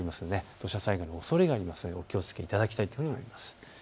土砂災害のおそれがあるのでお気をつけいただきたいと思います。